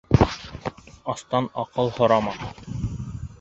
Астан аҡыл һорама.